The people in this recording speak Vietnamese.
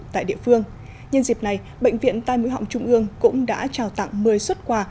tại địa phương nhân dịp này bệnh viện tai mũi họng trung ương cũng đã trào tặng một mươi xuất quà